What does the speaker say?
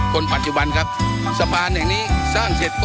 คนปัจจุบันครับสะพานแห่งนี้สร้างเสร็จ